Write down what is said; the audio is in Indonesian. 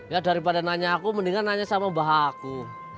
ya daripada nanya aku mendingan nanya sama mbah aku